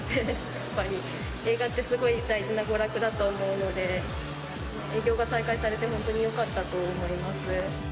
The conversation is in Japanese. やっぱり映画ってすごい大事な娯楽だと思うので、営業が再開されて本当によかったと思います。